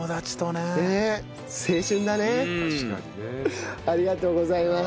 確かにね。ありがとうございます。